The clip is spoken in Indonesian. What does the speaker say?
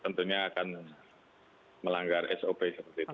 tentunya akan melanggar sop seperti itu